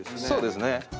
そうですね。